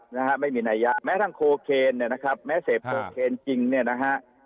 นะฮะไม่มีนัยยะแม้ทั้งโคเคนเนี่ยนะครับแม้เสพโคเคนจริงเนี่ยนะฮะ